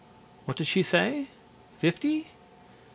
What does she say?... Fifty?...